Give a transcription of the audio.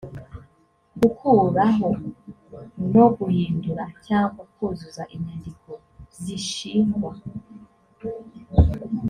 gukuraho no guhindura cyangwa kuzuza inyandiko z’ishingwa